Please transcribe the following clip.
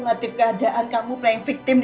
yang selalu kamu lakuin adalah kamu mencari dia sendiri